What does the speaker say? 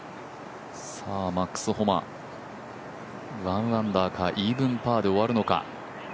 マックス・ホマ、１アンダーかイーブンパーで終わるのか。